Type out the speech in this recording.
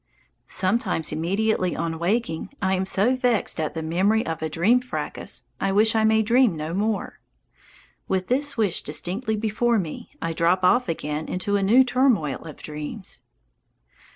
Sometimes immediately on waking, I am so vexed at the memory of a dream fracas, I wish I may dream no more. With this wish distinctly before me I drop off again into a new turmoil of dreams.